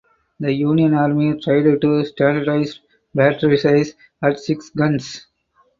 The Union Army tried to standardize battery size at six guns.